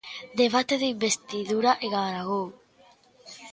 Debate de investidura en Aragón.